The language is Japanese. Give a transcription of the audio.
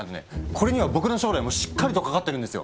これには僕の将来もしっかりとかかってるんですよ。